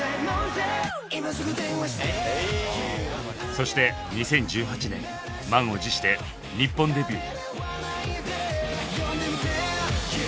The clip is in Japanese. そして２０１８年満を持して日本デビュー。